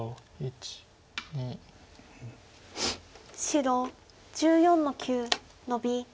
白１４の九ノビ。